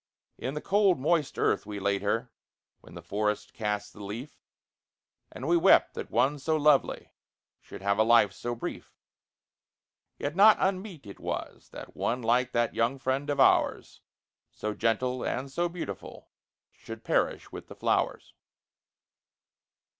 In the cold moist earth we laid her, when the forests cast the leaf, And we wept that one so lovely should have a life so brief; Yet not unmeet it was that one like that young friend of ours, So gentle and so beautiful, should perish with the flowers.